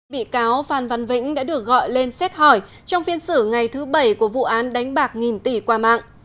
bị cáo phan văn vĩnh đã được gọi lên xét hỏi trong phiên xử ngày thứ bảy của vụ án đánh bạc nghìn tỷ qua mạng